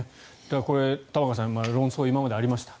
玉川さん論争が今までありました。